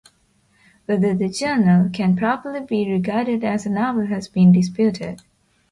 Whether the "Journal" can properly be regarded as a novel has been disputed.